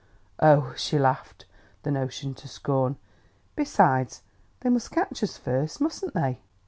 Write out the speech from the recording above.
"Oh!" She laughed the notion to scorn. "Besides, they must catch us first, mustn't they?"